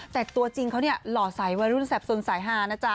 แต่ตัวจริงเขาเนี่ยหล่อใสวัยรุ่นแสบสนสายฮานะจ๊